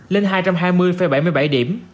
lên hai trăm hai mươi bảy mươi bảy điểm